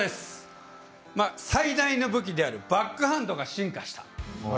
最大の武器であるバックハンドが進化した。